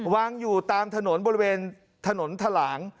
วางอยู่ตามถนนบริเวณถนนทะหลาง